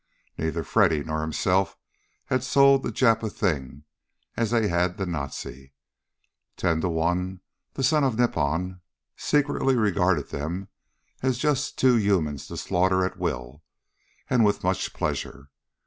Neither Freddy nor himself had sold the Jap a thing, as they had the Nazi. Ten to one the Son of Nippon secretly regarded them as just two humans to slaughter at will, and with much pleasure.